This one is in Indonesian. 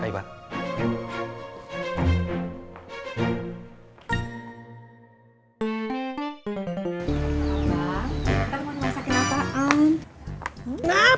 pak rijal kita mau dimasakin apaan